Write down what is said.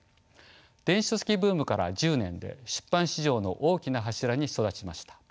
電子書籍ブームから１０年で出版市場の大きな柱に育ちました。